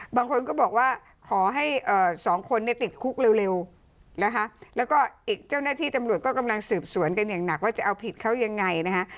บางคนก็บอกว่าขอให้สองคนเนี่ยติดคุกเร็วนะคะแล้วก็อีกเจ้าหน้าที่ตำรวจก็กำลังสืบสวนกันอย่างหนักว่าจะเอาผิดเขายังไงนะคะ